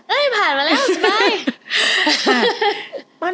เฮ้ยผ่านมาแล้วสบาย